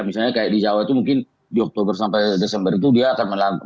misalnya kayak di jawa itu mungkin di oktober sampai desember itu dia akan melakukan